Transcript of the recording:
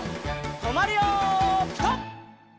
とまるよピタ！